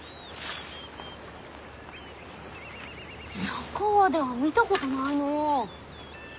佐川では見たことないのう。